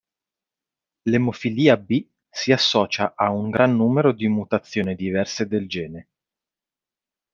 L'emofilia B si associa a un gran numero di mutazioni diverse del gene.